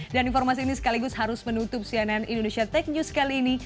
dan informasi ini sekaligus harus menutup cnn indonesia tech news kali ini